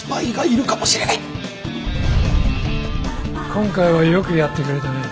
今回はよくやってくれたね。